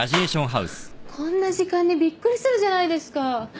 こんな時間にびっくりするじゃないですか。